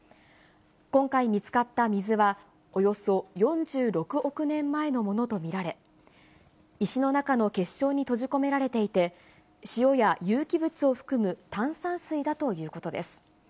今回見つかった水は、およそ４６億年前のものと見られ、石の中の結晶に閉じ込められていて、塩や有機物を含む炭酸水だということです。